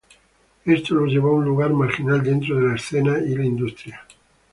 Esto los llevó a un lugar marginal dentro de la escena y la industria.